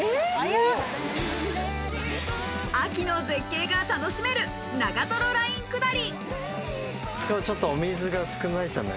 秋の絶景が楽しめる長瀞ラインくだり。